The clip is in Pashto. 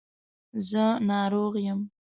زه ناروغ یم.